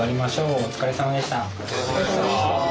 お疲れさまでした。